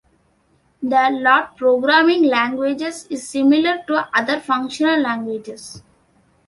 The Lout programming language is similar to other functional languages.